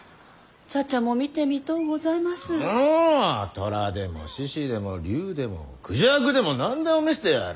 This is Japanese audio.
虎でも獅子でも竜でも孔雀でも何でも見せてやる。